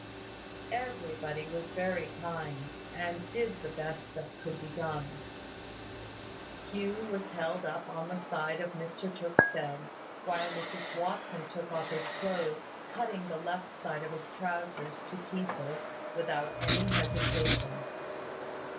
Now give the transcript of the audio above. Everybody was very kind, and did the best that could be done. Hugh was held up on the side of Mr Tooke's bed, while Mrs Watson took off his clothes, cutting the left side of his trousers to pieces, without any hesitation.